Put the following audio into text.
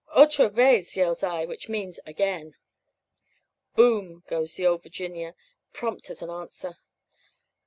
"'Otra vez!' yells I, which means 'again.' "'Boom!' goes the Ole Virginia prompt as an answer.